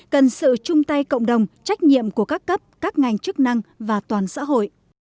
cần sự chung tay cộng đồng trách nhiệm của các cấp các ngành chức năng và toàn xã hội